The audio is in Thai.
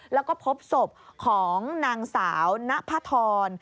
แล้วก็พบศพของนางสาวณพธร